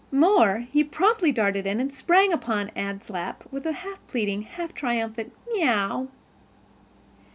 More, he promptly darted in and sprang upon Anne's lap with a half pleading, half triumphant "miaow."